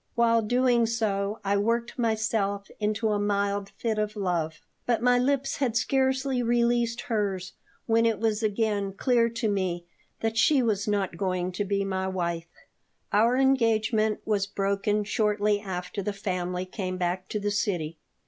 While doing so I worked myself into a mild fit of love, but my lips had scarcely released hers when it was again clear to me that she was not going to be my wife Our engagement was broken shortly after the family came back to the city.